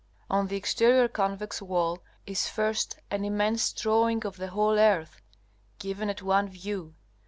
On the exterior convex wall is first an immense drawing of the whole earth, given at one view.